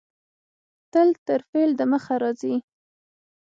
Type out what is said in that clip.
تل تر فعل د مخه راځي.